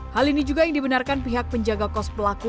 hal ini juga yang dibenarkan pihak penjaga kos pelaku